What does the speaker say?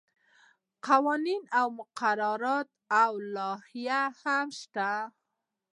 قوانین او مقررات او لوایح هم شته.